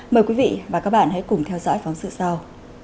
mời quý vị và các bạn hãy cùng theo dõi phóng sự sau